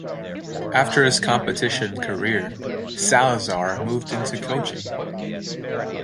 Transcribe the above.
After his competition career, Salazar moved into coaching.